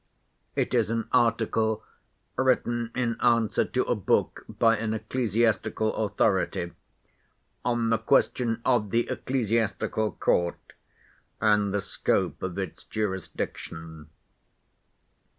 It is an article written in answer to a book by an ecclesiastical authority on the question of the ecclesiastical court, and the scope of its jurisdiction."